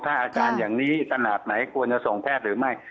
ถ้าอาการอย่างนี้ขนาดไหนควรจะส่งแพทย์หรือไม่